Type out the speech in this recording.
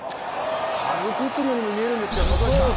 軽く打っているようにも見えるんですけど。